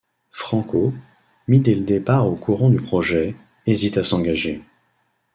Franco, mis dès le départ au courant du projet, hésite à s'engager.